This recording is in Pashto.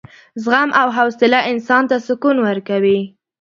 زغم او حوصله انسان ته سکون ورکوي.